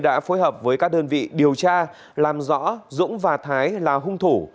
đã phối hợp với các đơn vị điều tra làm rõ dũng và thái là hung thủ